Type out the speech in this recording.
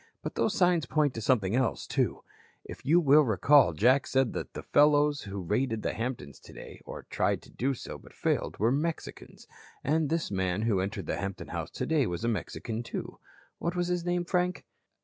But those signs point to something else, too. If you will recall, Jack said the fellows who raided the Hamptons today, or rather tried to do so but failed, were Mexicans. And this man who entered the Hampton house today was a Mexican, too. What was his name, Frank?"